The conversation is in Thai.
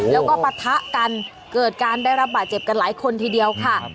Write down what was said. แล้วก็ปะทะกันเกิดการได้รับบาดเจ็บกันหลายคนทีเดียวค่ะ